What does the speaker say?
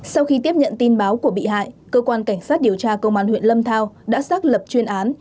sau khi tiếp nhận tin báo của bị hại cơ quan cảnh sát điều tra công an huyện lâm thao đã xác lập chuyên án